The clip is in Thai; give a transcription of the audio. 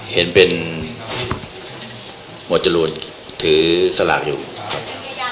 เห็นเป็นหมดจรวนถือสลากอยู่